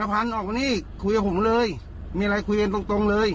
พันธุ์ออกมานี่คุยกับผมเลยมีอะไรคุยกันตรงตรงเลย